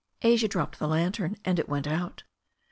Asia dropped the lantern, and it went out.